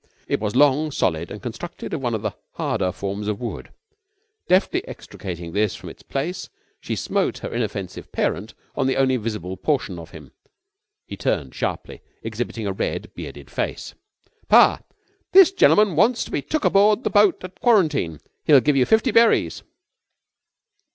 It was long, solid, and constructed of one of the harder forms of wood. Deftly extracting this from its place she smote her inoffensive parent on the only visible portion of him. He turned sharply, exhibiting a red, bearded face. "Pa, this gen'man wants to be took aboard the boat at quarantine. He'll give you fifty berries."